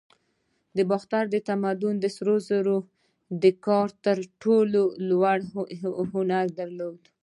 د باختر تمدن د سرو زرو د کار تر ټولو لوړ هنر درلود